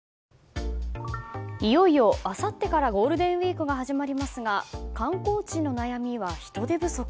いよいよあさってからゴールデンウィークが始まりますが観光地の悩みは人手不足。